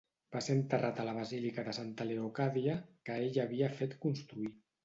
Va ser enterrat a la basílica de Santa Leocàdia, que ell havia fet construir.